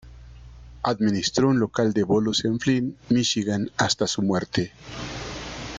Administró un local de bolos en Flint, Míchigan, hasta su muerte.